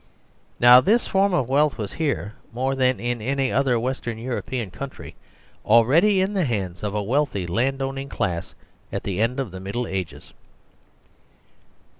Now this form of wealth was here, more than in any other Western European country, already in the hands of a wealthy land owning class at the end of the Middle Ages.